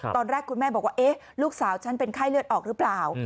ตอนแรกคุณแม่บอกว่าลูกสาวฉันเป็นไข้เลือดออกหรือเปล่า